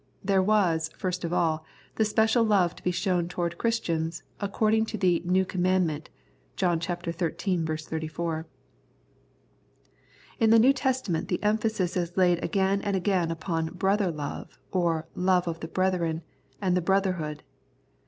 There was, first of all, the special love to be shown toward Christians, according to the " new commandment " (John xiii. 34). In the New Testament the emphasis is laid again and again upon brother love, or love of the brethren, and the brotherhood.